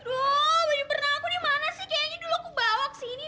aduh baju perna aku nih mana sih kayaknya dulu aku bawa kesini deh